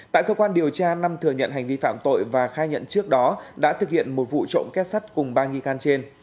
tại cơ quan điều tra năm thừa nhận hành vi phạm tội và khai nhận trước đó đã thực hiện một vụ trộm kết sắt cùng ba nghi can trên